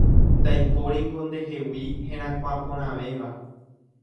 Ndaipóringo ndehegui herakuãporãvéva